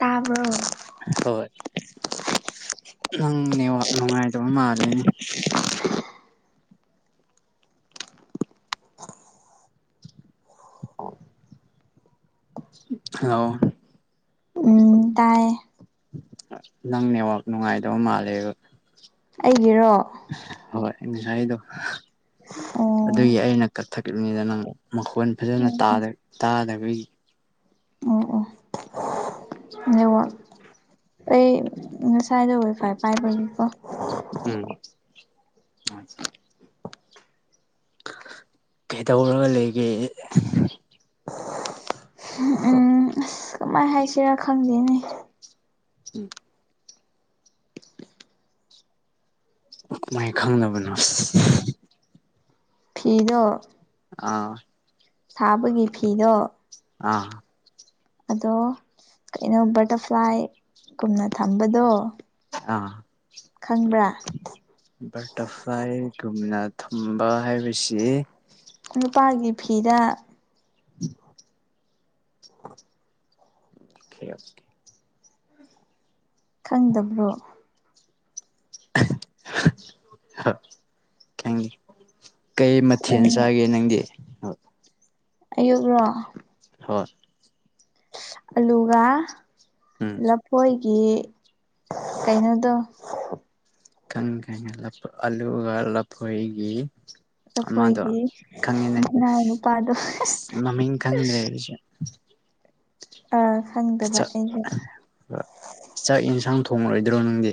ꯇꯥꯕ꯭ꯔꯣ ꯍꯣꯏ ꯅꯪ ꯅꯦꯋꯥꯛ ꯅꯨꯡꯉꯥꯏꯇꯕ ꯃꯥꯜꯂꯦꯅꯦ ꯍꯜꯂꯣ ꯎꯝ ꯇꯥꯏꯌꯦ ꯅꯪ ꯅꯦꯋꯥꯛ ꯅꯨꯡꯉꯥꯏꯗꯕ ꯃꯥꯜꯂꯦꯕ ꯑꯩꯒꯤꯔꯣ ꯍꯣꯏ ꯉꯁꯥꯏꯗꯣ ꯑꯣ ꯑꯗꯨꯒꯤ ꯑꯩꯅ ꯀꯛ ꯊꯛꯕꯅꯤꯗ ꯅꯪ ꯃꯈꯣꯟ ꯐꯖꯅ ꯎꯝ ꯇꯥꯔꯦ ꯇꯥꯗꯕꯒꯤ ꯅꯦꯋꯥꯛ ꯑꯩ ꯉꯁꯥꯏꯗꯣ ꯋꯥꯏꯐꯥꯏ ꯄꯥꯏꯕꯒꯤꯀꯣ ꯎꯝ ꯀꯩꯗꯧꯔꯒ ꯂꯩꯒꯦ ꯎꯝ ꯑꯁ ꯀꯃꯥꯏ ꯍꯥꯏꯁꯤꯔꯥ ꯈꯪꯗꯦꯅꯦ꯫ [unintelligible] ꯀꯃꯥꯏ ꯈꯪꯅꯕꯅꯣ꯫ ꯐꯤꯗꫭ꯫ ꯑꯥ꯫ ꯁꯥꯕꯒꯤ ꯐꯤꯗꯣ꯫ ꯑ꯫ ꯑꯗꯣ ꯀꯩꯅꯣ ꯕꯇꯔꯐ꯭ꯂꯥꯏꯒꯨꯝꯅ ꯊꯝꯕꯗꯣ꯫ ꯑꯥ꯫ ꯈꯪꯕ꯭ꯔꯥ꯫ ꯕꯇꯔꯐ꯭ꯂꯥꯏꯒꯨꯝꯅ ꯊꯝꯕ ꯍꯥꯏꯕꯁꯤ꯫ ꯅꯨꯄꯥꯒꯤ ꯐꯤꯗ꯫ [inaudible] ꯑꫭꯈ‌ꯦ ꯑꫭꯈ‌ꯦ꯫ ꯈꯪꯗꯕ꯭ꯔꯣ꯫ ꯈꯪꯗꯦ꯫ ꯀꯩ ꯃꯊꯦꯜ ꯈꯪꯉꯦ ꯆꯥꯒꯦ ꯅꯪꯗꯤ꯫ ꯑꯌꯨꯛꯔꯣ꯫ ꯍꯣꯏ꯫ ꯑꯂꯨꯒ ꯎꯝ ꯂꯐꯣꯏꯒꯤ ꯀꯩꯅꯣꯗꯣ꯫ ꯈꯪꯉ‌ꯦ ꯈꯪꯉ‌ꯦ ꯑꯂꯨꯒ ꯂꯐꯣꯏꯒꯤ ꯑꯃꯗꯣ ꯂꯐꯣꯏꯒꯤ ꯈꯪꯉꯤꯅꯦ ꯃꯅꯥꯎ ꯅꯨꯄꯥꯗꯣ ꯑꯁ ꯃꯃꯤꯡ ꯈꯪꯗ꯭ꯔꯦ ꯑꯩꯏꯁꯦ꯫ ꯑꯥ ꯈꯪꯗꯕ ꯑꯩꯁꯨ [inaudible] ꯆꯥꯛ ꯌꯦꯟꯁꯥꯡ ꯊꯣꯡꯉꯔꯣꯏꯗ꯭ꯔꯣ ꯅꯪꯗꯤ꯫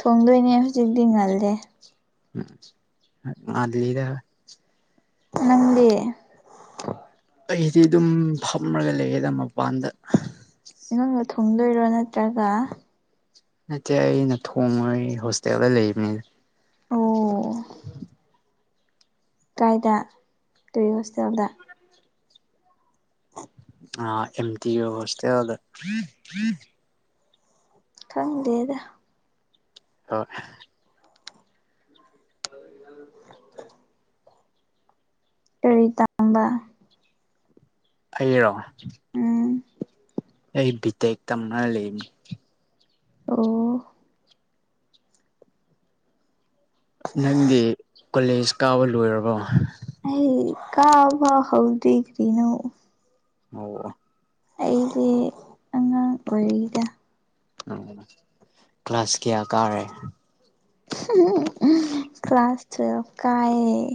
ꯊꯣꯡꯗꯣꯏꯅꯦ ꯍꯧꯖꯤꯛꯇꯤ ꯉꯜꯂꯦ꯫ ꯎꯝ ꯉꯜꯂꯤꯗ꯫ ꯅꯪꯗꯤ꯫ ꯑꯩꯗꯤ ꯑꯗꯨꯝ ꯐꯝꯃꯒ ꯂꯩꯌ‌ꯦꯗ ꯃꯄꯥꯟꯗ꯫ ꯑꯪꯅ ꯊꯣꯡꯗꯣꯏꯔꯣ ꯅꯠꯇ꯭ꯔꯒ ꯅꯠꯇꯦ ꯑꯩꯅ ꯊꯣꯡꯉꫭꯏ ꯍꯣꯁꯇꯦꯜꯗ ꯂꯩꯕꯅꯤꯅ꯫ ꯑꯣ꯫ [inaudible] ꯀꯥꯏꯗ ꯀꯔꯤ ꯍꯣꯁꯇꯦꯜꯗ꯫ ꯑꯥ ꯑꯦꯝ ꯇꯤ ꯑꫭ ꯍꯣꯁꯇꯦꯜꯗ꯫ ꯈꯪꯗꯦꯗ꯫ ꯍꫭꯏ꯫ ꯀꯔꯤ ꯇꯝꯕ꯫ ꯑꯩꯔꯣ꯫ ꯎꯝ ꯑꯩ ꯕꯤꯇꯦꯛ ꯇꯝꯔ ꯂꯩꯕꯅꯤ꯫ ꯑꯣ꯫ ꯅꯪꯗꯤ꯫ ꯀꯣꯂꯦꯖ ꯀꯥꯕ ꯂꯣꯏꯔꯕꯣ꯫ ꯑꯩ ꯀꯕ ꯍꯥꯎꯗꯔꯤꯀꯔꯤꯅꫭ꯫ ꯑꯣ꯫ ꯑꯩꯗꯤ ꯑꯉꯥꯡ ꯑꯣꯏꯔꯤꯗ꯫ ꯎꯝ ꯀ꯭ꯂꯥꯁ ꯀꯌꯥ ꯀꯥꯔꯦ꯫ ꯀ꯭ꯂꯥꯁ ꯇꯨ ꯀꯥꯏꯌ‌ꯦ꯫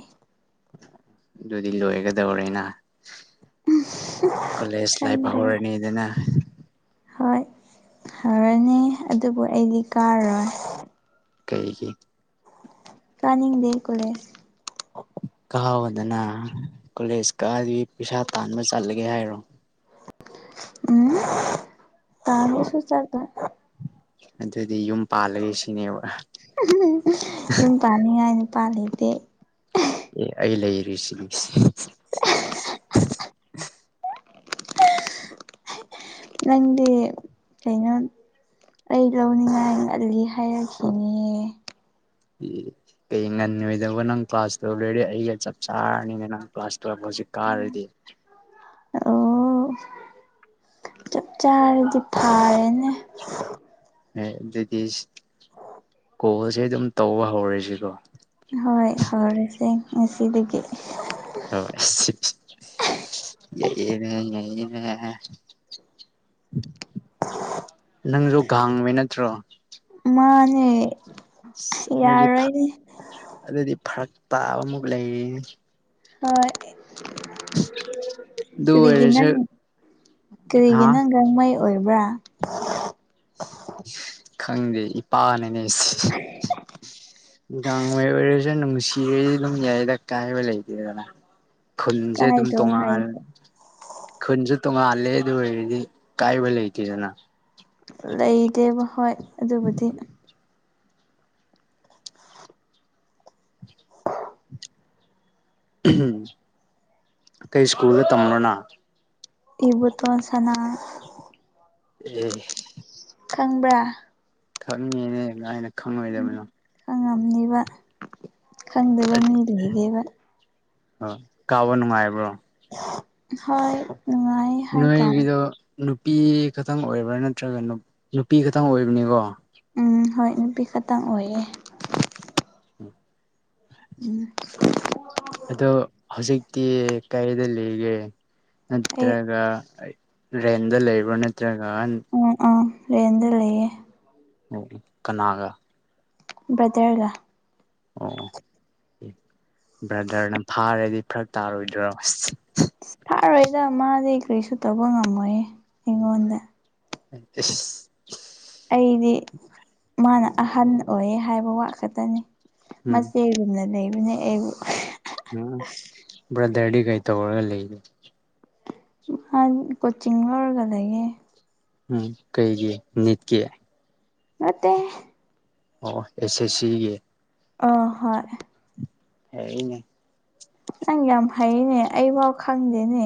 ꯑꯗꯨꯗꯤ ꯂꯣꯏꯒꯗꯧꯔꯦꯅ꯫ ꯀꯣꯂꯦꯖ ꯂꯥꯏꯐ ꯈꯪꯗꯦ ꯍꯧꯔꯅꯤꯗꯅ꯫ ꯍꯣꯏ ꯍꯧꯔꯅꯤ ꯑꯗꯨꯕꯨ ꯑꯩꯗꯤ ꯀꯥꯔꯣꯏ꯫ ꯀꯩꯒꯤ꯫ ꯆꯥꯅꯤꯡꯗꯦ ꯀꯣꯂꯦꯖ꯫ ꯀꯑꯣꯗꯅ ꯀꯣꯂꯦꯖ ꯀꯗꯤ ꯄꯩꯁꯥ ꯇꯥꯟꯕ ꯆꯠꯂꯒꯦ ꯍꯥꯏꯔꯣ꯫ ꯎꯝ ꯇꯜꯔꯁꯨ ꯆꯠꯔꯣꯏ꯫ ꯑꯗꯨꯗꯤ ꯌꯨꯝ ꯄꯥꯜꯂꯒꯦ ꯁꯤꯅꯦꯕ꯫ ꯌꯨꯝ ꯄꯥꯅꯤꯡꯉꯥꯏ ꯅꯨꯄꯥ ꯂꯤꯇꯦ꯫ ꯑꯦ ꯑꯩ ꯂꯩꯔꯤꯁꯤꯗꯤ꯫ ꯅꯪꯗꯤ ꯀꯩꯅꯣꯝ ꯑꯩ ꯂꯧꯅꯤꯡꯉꯥꯏ ꯉꯜꯂꯤ ꯍꯥꯏꯔꯛꯈꯤꯅꯤꯌꯦ꯫ ꯀꯩ ꯉꯟꯑꯣꯏꯗꯧꯕ ꯅꯪ ꯀ꯭ꯂꯥꯁ ꯇꯧ ꯂꯣꯏꯔꯦ ꯑꯩꯒ ꯆꯞ ꯆꯥꯔꯥꯅꯤꯅꯦ ꯅꯪ꯫ ꯀ꯭ꯂꯥꯁ ꯇꯨꯌꯦꯞ ꯍꯧꯖꯤꯛ ꯀꯥꯔꯗꯤ꯫ ꯑꯣ ꯆꯞ ꯆꯥꯔꯗꯤ꯫ ꯐꯔꯦꯅꯦ ꯑꯥꯏ ꯗꯨꯗꯤ ꯀꯣꯜꯁꯦ ꯑꯗꯨꯝ ꯇꯧꯕ ꯍꯧꯔꯁꯤꯀꯣ꯫ ꯍꯣꯏ ꯍꯧꯔꯁꯦ ꯉꯁꯤꯗꯒꯤ꯫ ꯍꯣꯏ ꯌꯥꯏꯌꯦ ꯅꯪ ꯌꯥꯑꯦ ꯅꯥ꯫ ꯅꯪꯖꯨ ꯒꯥꯡꯃꯦ ꯅꯠꯇ꯭ꯔꯣ꯫ ꯃꯥꯅꯦ꯫ ꯑꯁ ꯑꯗꯨꯗꯤ ꯐꯛ ꯌꯥꯔꯣꯏꯅꯦ ꯑꯗꯨꯗꯤ ꯐꯔꯛ ꯇꯥꯕꯃꯨꯛ ꯂꯩꯌꯦ꯫ ꯍꯣꯏ ꯑꯗꯨ ꯀꯔꯤꯒꯤ ꯑꯣꯏꯔꯁꯨ ꯅꯡ ꯍꯥ ꯀꯔꯤꯒꯤ ꯅꯡ꯫ ꯔꯣꯡꯃꯩ ꯑꯣꯏꯕ꯭ꯔꯥ꯫ ꯈꯪꯗꯦ ꯏꯄꯥꯅꯅꯦ [unintelligible] ꯒꯥꯡꯃꯩ ꯑꯣꯏꯔꯖꯨ ꯅꯨꯡꯁꯤꯔꯗꯤ ꯑꯗꯨꯝ ꯌꯥꯏꯗ ꯀꯥꯏꯕ ꯂꯩꯇꯦꯗꯅ꯫ ꯈꯨꯟꯖꯦ ꯑꯗꯨꯝ ꯀꯥꯏꯗ꯭ꯔꯣ ꯍꯥꯏ ꯇꯣꯉꯥꯟ ꯈꯨꯟꯖꯨ ꯇꯣꯡꯉꯥꯜꯂꯦ ꯑꯗꯨ ꯑꯣꯏꯔꯗꯤ ꯀꯥꯏꯕ ꯂꯩꯇꯦꯗꯅ꯫ ꯂꯩꯗꯦꯕ ꯍꯣꯏ ꯑꯗꯨꯕꯨꯗꯤ꯫ ꯀꯩ ꯁ꯭ꯀꯨꯜꯗ ꯇꯝꯕꯔꯣꯅꯥ꯫ ꯏꯕꯨꯇꯣꯟ ꯁꯅ꯫ ꯑꯦ ꯈꯪꯕ꯭ꯔꯥ꯫ ꯈꯪꯉꯦꯅꯦ ꯉꯥꯏꯅ ꯎꯝ ꯈꯪꯉꯣꯏꯗꯕꯅꯣ꯫ ꯈꯪꯉꯝꯅꯤꯕ ꯈꯪꯗꯕ ꯃꯤꯗꯨꯅꯤꯅꯦꯕ꯫ ꯍ ꯀꯥꯎꯕ ꯅꯨꯡꯉꯥꯏꯕ꯭ꯔꯣ꯫ ꯍꯣꯏ ꯅꯨꯡꯉꯥꯏ꯫ ꯍꯥꯏꯇꯥꯔꯦ ꯅꯣꯏꯒꯤꯗꯣ ꯅꯨꯄꯤ ꯈꯇꯡ ꯑꯣꯏꯕ꯭ꯔꯥ ꯅꯠꯇ꯭ꯔꯒ ꯅꯨꯞ ꯅꯨꯄꯤ ꯈꯛꯇꯪ ꯑꯣꯏꯕꯅꯦꯀꯣ꯫ ꯎꯝ ꯍꯣꯏ ꯅꯨꯄꯤ ꯈꯇꯪ ꯑꯣꯏꯌꯦ꯫ [inaudible] ꯑꯗꯣ ꯍꯧꯖꯤꯛꯇꯤ ꯀꯏꯗ ꯂꯩꯒꯦ ꯑꯩ ꯅꯠꯇ꯭ꯔꯒ ꯔꯦꯟꯗ ꯂꯩꯕꯔꯣ ꯅꯠꯇ꯭ꯔꯒ ꯑꯟ ꯎꯝ ꯑꯥ ꯔꯦꯟꯗ ꯂꯩꯌꯦ ꯑꯣ ꯀꯅꯥꯒ ꯕ꯭ꯔꯗꯔꯒ ꯑꯣ ꯕ꯭ꯔꯗꯔꯅ ꯐꯥꯔꯗꯤ ꯐꯔꯛ ꯇꯥꯔꯣꯏꯗ꯭ꯔꯣ ꯑꯁ ꯁꯤꯁ ꯑꯁ ꯐꯔꯣꯏꯗ ꯃꯥꯗꯤ ꯀꯔꯤꯁꯨ ꯇꯧꯕ ꯉꯝꯃꯣꯏꯌꯦ ꯑꯩꯉꯣꯟꯗ ꯑꯦ ꯏꯁ ꯑꯩꯗꯤ ꯃꯥꯅ ꯑꯍꯟ ꯑꯣꯏꯌꯦ ꯍꯥꯏꯕ ꯋꯥ ꯈꯛꯇꯅꯤ ꯎꯝ ꯃꯆꯦꯒꯨꯝꯅ ꯂꯩꯕꯅꯦ ꯑꯩꯕꯨ ꯎꯝ ꯕ꯭ꯔꯗꯔꯗꯤ ꯀꯩ ꯇꯧꯔꯒ ꯂꯩꯔꯤ ꯍꯥꯟ ꯀꯣꯆꯤꯡ ꯂꯧꯔꯒ ꯂꯩꯌꯦ ꯎꯝ ꯀꯩꯒꯤ ꯅꯤꯠꯀꯤ ꯅꯠꯇꯦ ꯍꯦ ꯑꯣ ꯑꯦꯁ ꯑꯦꯁ ꯁꯤꯒꯤ ꯑꯥ ꯍꯣꯏ ꯍꯩꯅꯦ ꯅꯪ ꯌꯥꯝ ꯍꯩꯅꯦ ꯑꯩꯐꯥꯎ ꯈꯪꯗꯦꯅꯦ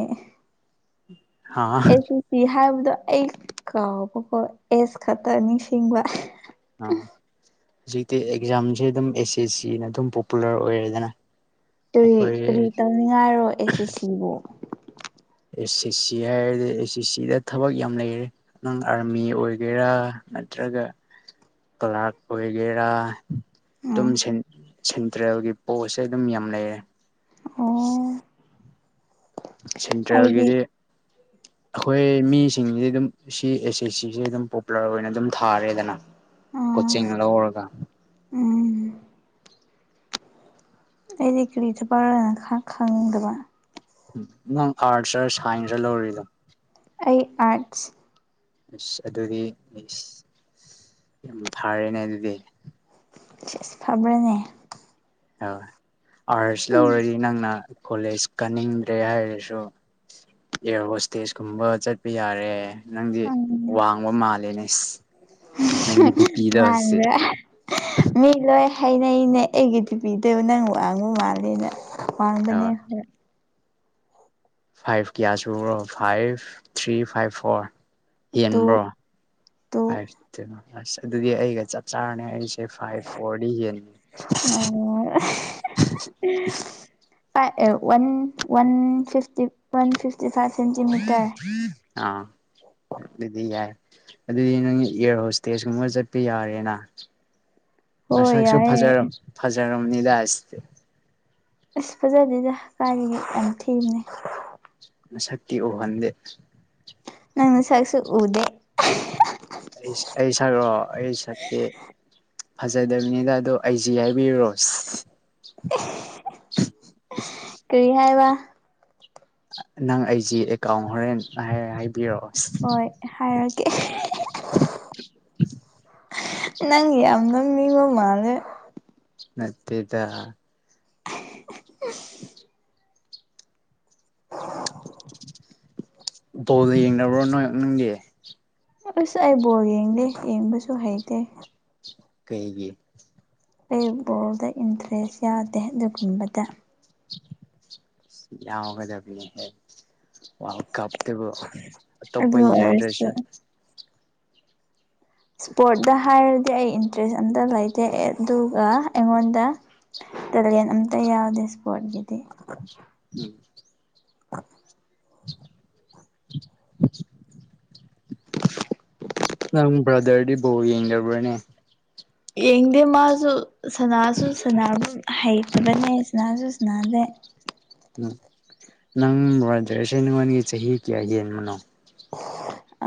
ꯍꯥ ꯑꯦꯁ ꯁꯤ ꯁꯤ ꯍꯥꯏꯕꯗꯣ ꯑꯩ ꯀꯥꯎꯕꯀꯣ ꯑꯦꯖ ꯈꯛꯇ ꯅꯤꯡꯁꯤꯡꯕ ꯑꯥꯎ ꯍꯧꯖꯤꯛꯇꯤ ꯑꯦꯛꯖꯥꯝꯁꯦ ꯑꯗꯨꯝ ꯑꯦꯁ ꯑꯦꯁ ꯁꯤꯅ ꯑꯗꯨꯝ ꯄꯣꯄꯨꯂꯔ ꯑꯣꯏꯔꯦꯗꯅ ꯀꯔꯤ ꯑꯩꯈꯣꯏ ꯀꯔꯤ ꯑꯦꯁ ꯇꯧꯅꯤꯡꯉꯥꯏꯔꯣ ꯑꯦꯁ ꯑꯦꯁ ꯁꯤꯕꯨ ꯑꯦꯁ ꯑꯦꯁ ꯁꯤ ꯍꯥꯏꯔꯗꯤ ꯑꯦꯁ ꯑꯦꯁ ꯁꯤꯗ ꯊꯕꯛ ꯌꯥꯝ ꯂꯩꯔꯦ ꯅꯪ ꯑꯥꯔꯃꯤ ꯑꯣꯏꯒꯦꯔꯥ ꯅꯠꯇ꯭ꯔꯒ ꯀ꯭ꯂꯥꯛ ꯑꯣꯏꯒꯦꯔꯥ ꯎꯝ ꯑꯗꯨꯝ ꯁꯦꯟꯇ꯭ꯔꯦꯜꯒꯤ ꯄꯣꯁꯁꯦ ꯑꯗꯨꯝ ꯌꯥꯝ ꯂꯩꯔꯦ ꯑꯣ ꯑꯩꯗꯤ ꯁꯦꯟꯇ꯭ꯔꯦꯜꯒꯤꯗꯤ ꯑꯩꯈꯣꯏ ꯃꯤꯁꯤꯡꯗꯤ ꯑꯗꯨꯝ ꯁꯤ ꯑꯦꯁ ꯑꯦꯆ ꯁꯤꯁꯦ ꯑꯗꯨꯝ ꯄꯣꯄꯨꯂꯔ ꯑꯣꯏꯅ ꯑꯗꯨꯝ ꯊꯥꯔꯦꯗꯅ ꯑꯥ ꯀꯣꯆꯤꯡ ꯂꯧꯔꯒ ꯎꯝ ꯑꯩꯗꯤ ꯀꯔꯤ ꯊꯄꯛꯔꯅ ꯈꯔ ꯈꯪꯗꯕ ꯑꯥ ꯅꯪ ꯑꯥꯔꯠꯁꯔ ꯁꯥꯏꯟꯁꯔ ꯂꯧꯔꯤꯗꯣ ꯑꯩ ꯑꯥꯔꯠꯁ ꯑꯁ ꯑꯗꯨꯗꯤ ꯌꯥꯝ ꯏꯁ ꯌꯥꯝ ꯐꯔꯦꯅꯦ ꯑꯗꯨꯗꯤ ꯁꯦꯁ ꯐꯕ꯭ꯔꯅꯦ ꯑꯣ ꯑꯥꯔꯁ ꯂꯧꯔꯗꯤ ꯅꯪꯅ ꯀꯣꯂꯦꯖ ꯀꯟꯅꯤꯡꯗ꯭ꯔꯦ ꯍꯥꯏꯔꯁꯨ ꯑꯦꯌꯔ ꯍꯣꯁꯇꯦꯖꯀꯨꯝꯕ ꯆꯠꯄ ꯌꯥꯔꯦ ꯅꯪꯗꯤ ꯋꯥꯡꯕ ꯃꯥꯜꯂꯦꯅꯦ ꯁꯤꯁ [unintelligible] ꯃꯥꯟꯕ꯭ꯔꯥ ꯃꯤ ꯂꯣꯏ ꯍꯥꯏꯅꯩꯅꯦ ꯑꯩꯒꯤ ꯗꯤ ꯄꯤꯗꯨ ꯅꯪ ꯋꯥꯡꯕ ꯃꯥꯜꯂꯦꯅ ꯋꯥꯡꯕꯅꯦ ꯍꯣꯏ ꯐꯥꯏꯚ ꯀꯌꯥ ꯁꯨꯕ꯭ꯔꯣ five three five four two ꯍꯦꯟꯕ꯭ꯔꯣ ꯇꯨ [unintelligible] ꯑꯁ ꯑꯗꯨꯗꯤ ꯑꯩꯒ ꯆꯞ ꯆꯥꯔꯅꯤ ꯍꯥꯏꯁꯦ ꯐꯥꯏꯚ ꯐꯣꯔꯗꯤ [unintelligible] ꯥꯏ ꯑꯦ ꯋꯥꯟ ꯋꯥꯟ ꯐꯤꯐꯇꯤ ꯋꯥꯟ ꯐꯤꯐ ꯐꯤꯐꯊꯤ ꯐꯥꯏꯚ ꯁꯦꯟꯇꯤ ꯑꯥ ꯑꯗꯨꯗꯤ ꯌꯥꯔꯦ ꯑꯗꯨ ꯑꯗꯨꯗꯤ ꯅꯪ ꯏꯌꯔ ꯍꯣꯁ ꯇꯦꯖꯀꯨꯝꯕ ꯆꯠꯄ ꯌꯥꯔꯦꯅ ꯍꯣꯏ ꯅꯁꯛꯁꯨ ꯌꯥꯏꯌꯦ ꯐꯖꯔꯝ ꯐꯖꯔꯝꯅꯤꯗ [unintelligible] ꯑꯁ ꯐꯖꯥꯗꯦꯗ ꯀꯥꯏꯗꯒꯤ ꯌꯥꯝ ꯊꯤꯕꯅꯦ ꯅꯁꯛꯇꯤ ꯎꯍꯟꯗꯦ ꯅꯪ ꯅꯁꯛꯁꯨ ꯎꯗꯦ ꯑꯩ ꯑꯩ ꯁꯛꯔꯣ ꯑꯩ ꯁꯛꯇꯤ ꯐꯖꯥꯗꯕꯅꯤꯗ ꯑꯗꯣ ꯑꯥꯏꯖꯤ ꯍꯥꯏꯕꯤꯔꯨꯔꯣ ꯀꯔꯤ ꯍꯥꯏꯕ ꯅꯪ ꯑꯥꯏꯖꯤ ꯑꯦꯀꯥꯎꯟ ꯍꯣꯔꯦꯟ ꯍꯥꯏ ꯍꯥꯏꯕꯤꯔꯛꯑꯣ ꯍꯣꯏ ꯍꯥꯏꯔꯛꯀꯦ ꯅꯪ ꯌꯥꯝꯅ ꯅꯣꯛꯅꯤꯡꯕ ꯃꯥꯜꯂꯦ ꯅꯠꯇꯦꯗ [unintelligible] [unintelligible] ꯕꯣꯜꯒ ꯌꯦꯡꯗꯕ꯭ꯔꯣ ꯅꯣꯏ ꯅꯪꯗꯤ ꯑꯁ ꯑꯩ ꯕꯣꯜ ꯌꯦꯡꯗꯦ ꯌꯦꯡꯕꯁꯨ ꯍꯩꯇꯦ ꯀꯩꯒꯤ ꯑꯩ ꯕꯣꯜꯗ ꯏꯟꯇꯔꯦꯁ ꯌꯥꯗꯦ ꯑꯗꯨꯒꯨꯝꯕꯗ ꯌꯥꯎꯒꯗꯕꯅꯦ ꯍꯦ ꯋꯥꯔꯜ ꯀꯞ ꯑꯗꯨꯕꯨ ꯑꯇꯣꯞꯄ ꯑꯗꯨ ꯑꯣꯏꯔꯁꯨ ꯌꯦꯡꯗ꯭ꯔꯁꯨ ꯏꯁꯄꯣꯔꯠꯇ ꯍꯥꯏꯔꯗꯤ ꯑꯩ ꯏꯟꯇꯔꯦꯁ ꯑꯝꯇ ꯂꯩꯇꯦ ꯑꯗꯨꯒ ꯑꯩꯉꯣꯟꯗ ꯇꯦꯂꯦꯟ ꯑꯝꯇ ꯌꯥꯎꯗꯦ ꯏꯁꯄꯣꯔꯠꯀꯤꯗꯤ ꯎꯝ [inaudible] [inaudible] [unintelligible] ꯅꯪ ꯕ꯭ꯔꯥꯗꯔꯗꯤ ꯕꯣꯜ ꯌꯦꯡꯗꯕ꯭ꯔꯥꯅꯦ ꯌꯦꯡꯗꯦ ꯃꯥꯖꯨ ꯁꯅꯥꯁꯨ ꯁꯅꯥꯕ ꯍꯩꯇꯕꯅꯦ ꯁꯅꯥꯁꯨ ꯁꯥꯅꯗꯦ ꯎꯝ ꯅꯪ ꯕ꯭ꯔꯥꯗꯔꯁꯦ ꯅꯉꯣꯟꯗꯒꯤ ꯆꯍꯤ ꯀꯌꯥ ꯌꯦꯟꯕꯅꯣ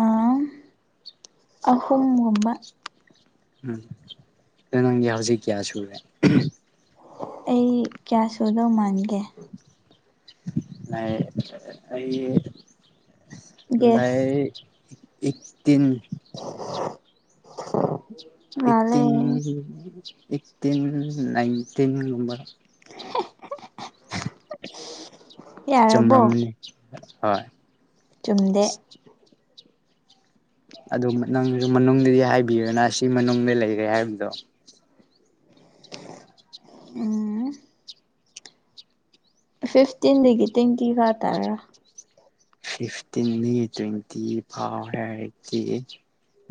ꯑꯥ ꯑꯍꯨꯝꯒꯨꯝꯕ ꯎꯝ ꯑꯗꯣ ꯅꯪꯒꯤ ꯍꯧꯖꯤꯛ ꯀꯌꯥ ꯁꯨꯔꯦ ꯑꯩ ꯀꯌꯥ ꯁꯨꯗꯧ ꯃꯥꯟꯒꯦ ꯂꯩ ꯑꯩ ꯒꯦꯁ ꯂꯩ ꯑꯩꯠ ꯇꯤꯟ ꯃꯥꯜꯂꯦ ꯑꯩꯠꯇꯤꯟ ꯑꯩꯠꯇꯤꯟ ꯏꯟꯇꯤꯟ ꯒꯨꯝꯕ ꯌꯥꯔꯕꯣ ꯆꯝꯔꯝꯅꯤ ꯍꯣꯏ ꯆꯨꯝꯗꯦ ꯑꯗꯨ ꯅꯪꯖꯨ ꯃꯅꯨꯡꯗꯗꯤ ꯍꯥꯏꯕꯤꯔꯦꯅ ꯁꯤ ꯃꯅꯨꯡꯗ ꯂꯩꯔꯦ ꯍꯥꯏꯕꯗꯣ ꯎꯝ ꯐꯤꯐꯇꯤꯟꯗꯒꯤ ꯇ꯭ꯋꯦꯟꯇꯤ ꯐꯥ ꯇꯥꯔ ꯐꯤꯐꯇꯤꯟꯗꯒꯤ ꯇ꯭ꯋꯦꯟꯇꯤ ꯐꯥꯎ ꯍꯥꯏꯔꯗꯤ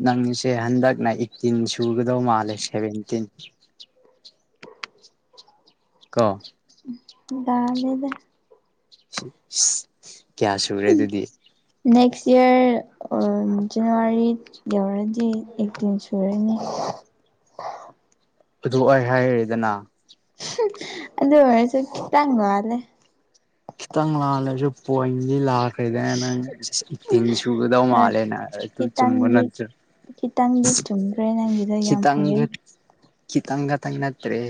ꯅꯪꯁꯦ ꯍꯟꯗꯛꯅ ꯑꯩꯠꯇꯤꯟ ꯁꯨꯒꯗꯧ ꯃꯥꯜꯂꯦ ꯁꯦꯚꯦꯟꯇꯤꯟ ꯀꯣ ꯂꯥꯜꯂꯦꯗ ꯀꯌꯥ ꯁꯨꯔꯦ ꯑꯗꯨꯗꯤ ꯅꯦꯛꯁ ꯏꯌꯥꯔ ꯖꯅꯋꯥꯔꯤ ꯌꯧꯔꯗꯤ ꯑꯦꯠ ꯇꯤꯟ ꯁꯨꯔꯅꯤ ꯑꯗꯨ ꯑꯩ ꯍꯥꯏꯔꯤꯗꯅꯥ ꯑꯗꯨ ꯑꯣꯏꯔꯁꯨ ꯈꯤꯇꯪ ꯂꯜꯂꯦ ꯈꯤꯇꯪ ꯂꯥꯜꯂꯁꯨ ꯄꯣꯏꯗꯤ ꯂꯥꯛ ꯀꯩꯗ ꯅꯪ [unintelligible] ꯇꯤꯟ ꯁꯨꯒꯗꯧ ꯃꯥꯜꯂꯦꯅ ꯑꯗꯨ ꯆꯨꯝꯕ ꯈꯤꯇꯪꯗꯤ ꯅꯠꯇ꯭ꯔꯥ ꯈꯤꯇꯪꯗꯤ ꯆꯨꯝꯈ꯭ꯔꯦ ꯅꯪꯒꯤꯗꯣ ꯌꯥꯝ ꯍꯩꯌꯦ ꯀꯤꯇꯪꯈꯥꯇꯪ ꯅꯠꯇ꯭ꯔꯦ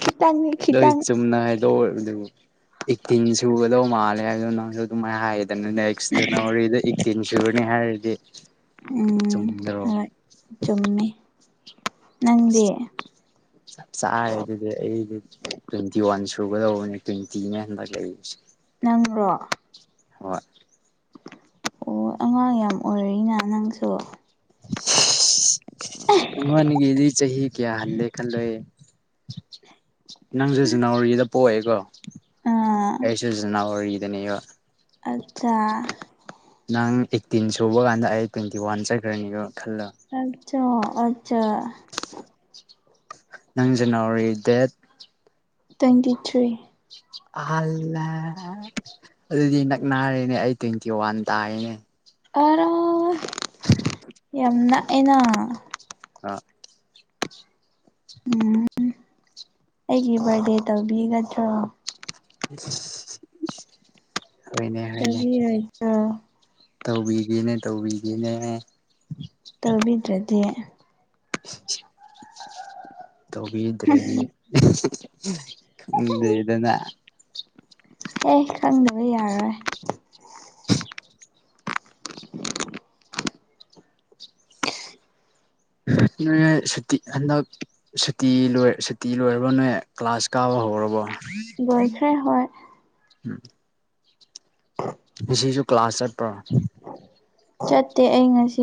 ꯈꯤꯇꯪꯅꯤ ꯂꯣꯏ ꯆꯨꯝꯅꯥ ꯍꯥꯏ [unintelligible] ꯑꯦꯠꯇꯤꯡ ꯁꯨꯒꯗꯧ ꯃꯥꯜꯂꯦ ꯍꯥꯏꯗꯣ ꯅꯪꯁꯨ ꯑꯗꯨꯃꯥꯏꯅ ꯍꯥꯏꯌꯦꯗꯅꯅꯦ ꯑꯁ ꯖꯅꯋꯥꯔꯤꯗ ꯑ‌ꯦꯠ ꯇꯤꯟ ꯁꯨꯒꯅꯤ ꯍꯥꯏꯔꯗꯤ ꯎꯝ ꯆꯨꯝꯗ꯭ꯔꯣ ꯍꯣꯏ ꯆꯨꯝꯃꯤ ꯅꯪꯗꯤ ꯆꯞ ꯆꯔ‌ꯦ ꯑꯗꯨꯗꯤ ꯑꯩꯗꯤ ꯇ꯭ꯋꯦꯟꯇꯤ ꯋꯥꯟ ꯁꯨꯒꯗꯧꯕꯅꯦ ꯇ꯭ꯋꯦꯟꯇꯤꯅꯦ ꯍꯟꯗꯛ ꯂꯩꯔꯤꯁꯦ ꯅꯪꯕ꯭ꯔꯣ ꯍꯣꯏ ꯑꯣ ꯑꯉꯥꯡ ꯌꯥꯝ ꯑꯣꯏꯔꯤꯅ ꯅꯪꯁꯨ [unintelligible] ꯅꯪꯉꫭꯟꯗꯒꯤꯗꯤ ꯆꯍꯤ ꯀꯌꯥ ꯍꯜꯂꯦ ꯈꯜꯂꫭꯍ‌ꯦ ꯅꯪꯁꯨ ꯖꯅꯋꯥꯔꯤꯗ ꯄꯣꯛꯑꯦꯀꯣ ꯑꯥ ꯑꯩꯁꯨ ꯖꯅꯋꯥꯔꯤꯗꯅꯦꯕ ꯑꯠꯆꯥ ꯅꯪ ꯑꯩꯠꯇꯤꯟ ꯁꯨꯕ ꯀꯥꯟꯗ ꯑꯩ ꯇ꯭ꯋꯦꯟꯇꯤ ꯋꯥꯟ ꯆꯠꯈ꯭ꯔꯅꯤꯒꯣ ꯈꯜꯂꯣ ꯑꯆꯥ ꯑꯆꯥ ꯅꯪ ꯖꯅꯋꯥꯔꯤ ꯗꯦꯠ ꯇꯨꯋ꯭ꯦꯟꯇꯤ ꯊꯔꯤ ꯑꯍꯜꯂ ꯑꯗꯨꯗꯤ ꯅꯛꯅꯔꯦꯅꯦ ꯑꯩ ꯇ꯭ꯋꯦꯟꯇꯤ ꯋꯥꯟ ꯇꯥꯏꯌ‌ꯦꯅꯦ ꯑꯔꯣꯏ ꯌꯥꯝ ꯅꯥꯛꯑꯦꯅꯥ ꯑꯥ ꯎꯝ ꯑꯩꯒꯤ ꯕꯥꯔꯗꯦ ꯇꯧꯕꯤꯒꯗ꯭ꯔꯣ ꯍꫭꯏꯅꯦ ꯍꫭꯏꯅꯦ ꯇꯧꯕꯤꯔꯣꯏꯗ꯭ꯔꯣ ꯇꯧꯕꯤꯒꯦꯅꯦ ꯇꯧꯕꯤꯒꯦꯅꯦꯅꯦ ꯇꯧꯕꯤꯗ꯭ꯔꯥꯗꯤ ꯇꯧꯕꯤꯗ꯭ꯔꯥꯗꯤ [unintelligible] ꯈꯪꯗ꯭ꯔ‌ꯦꯗꯅꯥ ꯑꯦ ꯈꯪꯗꯕ ꯌꯥꯔꯣꯏ ꯅꫭꯏ ꯁꯨꯇꯤ ꯍꯟꯗꯛ ꯁꯨꯇꯤ ꯂꯣꯏ ꯁꯨꯇꯤ ꯂꯣꯏꯔꯕꫭ ꯅꫭꯏ ꯀ꯭ꯂꯥꯁ ꯀꯥꯕ ꯍꯧꯔꯕꯣ ꯂꫭꯏꯈ꯭ꯔ‌ꯦ ꯍꫭꯏ ꯎꯝ ꯁꯤꯁꯨ ꯀ꯭ꯂꯥꯁ ꯆꯠꯄ꯭ꯔꯥ ꯆꯠꯇꯦ ꯑꯩ ꯉꯁꯤ